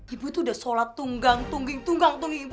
ibu tuh udah sholat tunggang tungging tunggang tungging itu bu